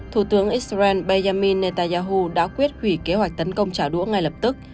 thủ tướng israel benjamin netanyahu đã quyết hủy kế hoạch tấn công trả đũa ngay lập tức